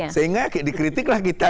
sehingga dikritiklah kita